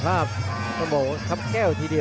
สวัสดิ์นุ่มสตึกชัยโลธสวัสดิ์